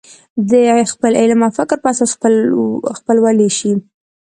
د خپل علم او فکر په اساس خپلولی شي.